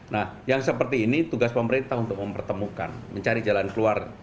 nah yang seperti ini tugas pemerintah untuk mempertemukan mencari jalan keluar